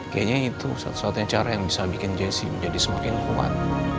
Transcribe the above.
kayaknya itu satu satunya cara yang bisa bikin jessi menjadi semakin kuat